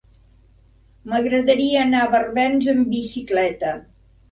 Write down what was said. M'agradaria anar a Barbens amb bicicleta.